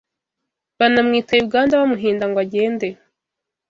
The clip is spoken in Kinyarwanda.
Banamwita Yuganda Bamuhinda ngo agende